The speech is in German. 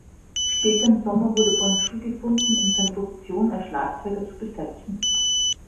Später im Sommer wurde Bonb-Chu gefunden, um seine Position als Schlagzeuger zu besetzen.